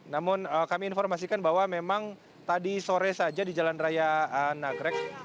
namun kami informasikan bahwa memang tadi sore saja di jalan raya nagrek